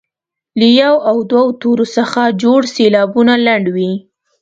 له یو او دوو تورو څخه جوړ سېلابونه لنډ وي.